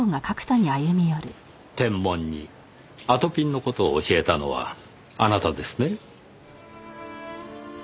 テンモンにあとぴんの事を教えたのはあなたですね？